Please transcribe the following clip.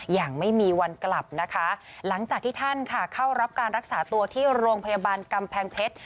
อย่างไม่มีวันกลับนะคะหลังจากที่ท่านค่ะเข้ารับการรักษาตัวที่โรงพยาบาลกำแพงเพชร